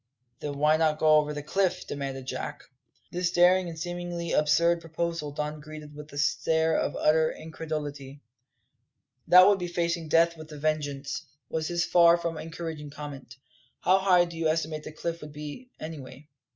"Then why not go over the cliff?" demanded Jack. This daring and seemingly absurd proposal Don greeted with a stare of utter incredulity. "That would be facing death with a vengeance," was his far from encouraging comment. "How high do you estimate the cliff to be, anyway?"